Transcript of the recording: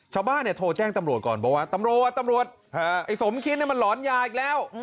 ชาวบ้านโทรแจ้งตำรวจก่อนบอกว่าตำรวจตำรวจไอ้สมคิดมันหลอนยาอีกแล้ว